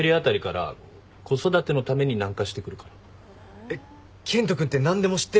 えっ健人君って何でも知ってるんだね。